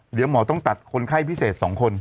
เดี๋ยวหมอต้องตัดคนไข้พิเศษ๒คน